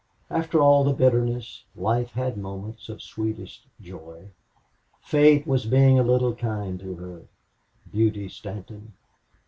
After all the bitterness, life had moments of sweetest joy. Fate was being a little kind to her Beauty Stanton.